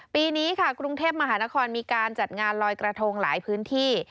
ปีนี้ค่ะกรุงเทพมหานครมีการจัดงานลอยกระทงหลายพื้นที่